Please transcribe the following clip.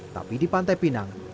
tapi di pantai pinang